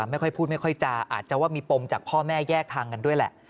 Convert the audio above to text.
ไม่ค่อยพูดไม่ค่อยจาอาจจะว่ามีปมจากพ่อแม่แยกทางกันด้วยแหละ